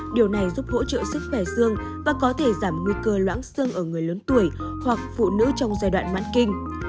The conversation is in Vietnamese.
điều này giúp hỗ trợ sức khỏe xương và có thể giảm nguy cơ loãng xương ở người lớn tuổi hoặc phụ nữ trong giai đoạn mãn kinh